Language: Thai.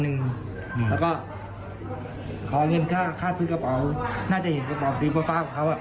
แล้วก็ขอเงินค่าค่าซื้อกระเป๋าน่าจะเห็นกระเป๋าซื้อฟ้าของเขา